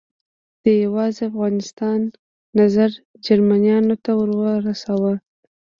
ده یوازې د افغانستان نظر جرمنیانو ته ورساوه.